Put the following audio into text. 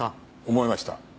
思いました。